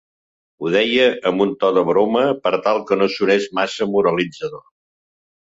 Ho deia amb un to de broma per tal que no sonés massa moralitzador.